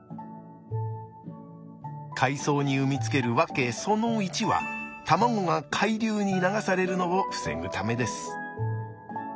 海藻に産み付ける訳その１は卵が海流に流されるのを防ぐためです。